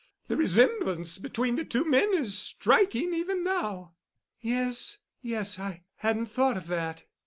The resemblance between the two men is striking even now." "Yes—yes—I hadn't thought of that."